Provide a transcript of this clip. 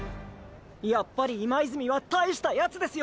やっぱり今泉は大したヤツですよ！！